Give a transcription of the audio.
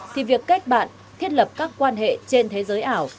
thì việc kết bạn thiết lập các quan hệ trên thế giới ảo